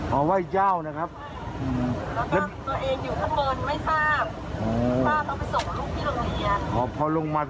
เอ่อน่าจะเว่ยเจ้าอะค่ะบ๊วยนิมอ๋อเว่ยเจ้านะครับ